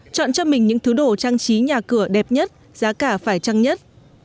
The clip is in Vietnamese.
chọn cho mình những thứ đồ trang trí nhà cửa đẹp nhất giá cả phải trăng nhất